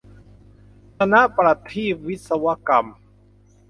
ธนประทีปวิศวกรรม